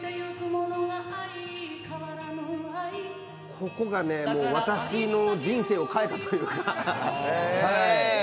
ここがもう、私の人生を変えたというか。